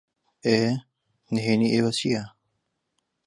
ئێ، نھێنیی ئێوە چییە؟